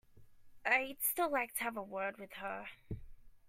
I'd still like to have a word with her.